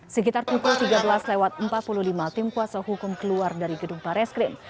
sekitar pukul tiga belas empat puluh lima tim kuasa hukum keluar dari gedung barreskrim